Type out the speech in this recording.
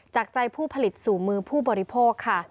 จากใจผู้ผลิตสู่มือผู้บริโภคค่ะ